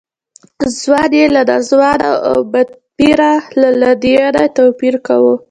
ځوان یې له ناځوانه او بدپیره له لادینه توپیر کاوه.